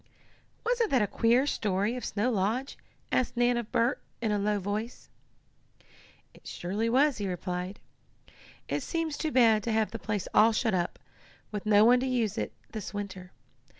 "Wasn't that a queer story of Snow Lodge?" asked Nan of Bert, in a low voice. "It surely was," he replied. "It seems too bad to have the place all shut up, with no one to use it this winter.